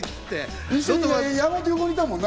山本、横にいたもんな。